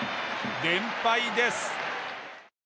連敗です。